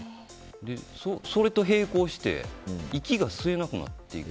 それと並行して息が吸えなくなるっていう。